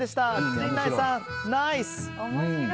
陣内さん、ナイス！